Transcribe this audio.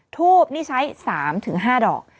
ทูบนี่ใช้๓๕ดอก